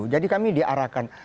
jadi kami diarahkan